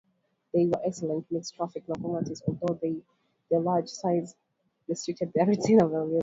They were excellent mixed-traffic locomotives, although their large size restricted their route availability.